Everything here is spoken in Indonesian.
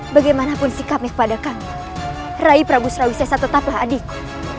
bagaimanapun sikapnya kepada kami rai prabu srawisesa tetaplah adikku